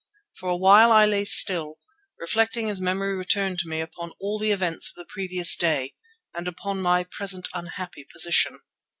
For a while I lay still, reflecting as memory returned to me upon all the events of the previous day and upon my present unhappy position.